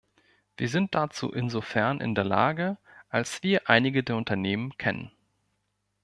Wir sind dazu insofern in der Lage, als wir einige der Unternehmen kennen.